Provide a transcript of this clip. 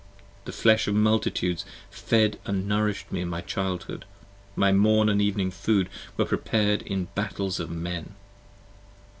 The flesh of multitudes fed & nouris'd me in my childhood, My morn & evening food were prepar'd in Battles of Men.